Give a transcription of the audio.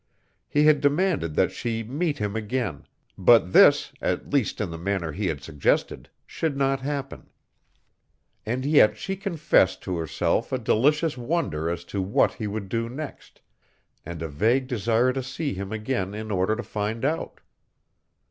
He had demanded that she meet him again; but this at least in the manner he had suggested should not happen. And yet she confessed to herself a delicious wonder as to what he would do next, and a vague desire to see him again in order to find out.